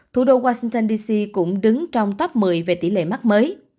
thủ đô washington d c cũng đứng trong top một mươi về tỷ lệ mắc covid một mươi chín